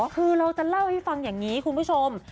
คือเราจะเล่าให้ฟังอย่างนี้คุณผู้ชม